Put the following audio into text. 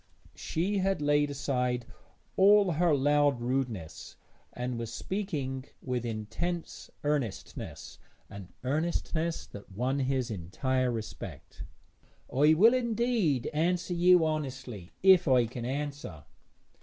She had laid aside all her loud rudeness, and was speaking with intense earnestness an earnestness that won his entire respect. 'I will indeed answer you honestly, if I can answer.'